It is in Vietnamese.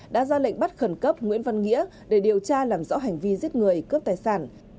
đã ra lệnh bắt khẩn cấp nguyễn văn nghĩa để điều tra làm rõ hành vi giết người cướp tài sản